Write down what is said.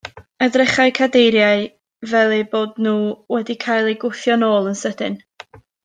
Edrychai cadeiriau fel eu bod nhw wedi cael eu gwthio nôl yn sydyn.